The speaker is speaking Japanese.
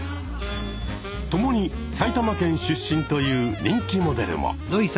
共に埼玉県出身という人気モデルも。